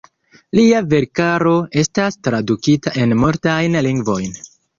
Lia verkaro estas tradukita en multajn lingvojn.